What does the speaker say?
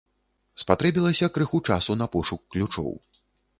Спатрэбілася крыху часу на пошук ключоў.